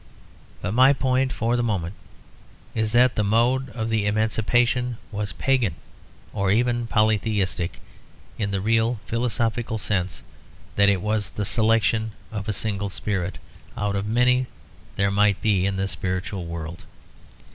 But my point for the moment is that the mode of the emancipation was pagan or even polytheistic, in the real philosophical sense that it was the selection of a single spirit, out of many there might be in the spiritual world.